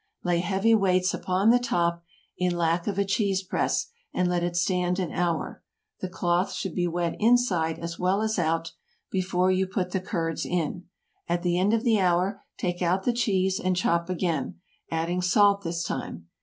Lay heavy weights upon the top, in lack of a cheese press, and let it stand an hour. The cloth should be wet inside as well as out, before you put the curds in. At the end of the hour, take out the cheese and chop again, adding salt this time.